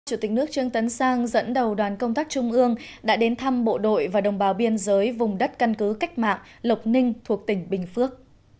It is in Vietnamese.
chủ tịch nước trương tấn sang dẫn đầu đoàn công tác trung ương đã đến thăm bộ đội và đồng bào biên giới vùng đất căn cứ cách mạng lộc ninh thuộc tỉnh bình phước